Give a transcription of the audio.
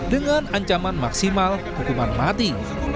dengan ancaman maksimal hukuman mati